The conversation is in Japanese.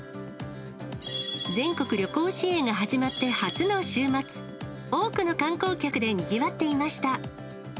全国旅行支援が始まって初の週末、多くの観光客でにぎわっていました。